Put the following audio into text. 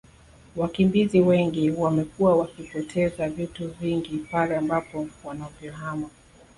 Wakimbizi wengi wamekuwa wakipoteza vitu vingi pale ambapo wanavyohama